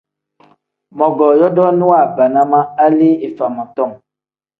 Mogoo yodooni waabana ma hali ifama tom.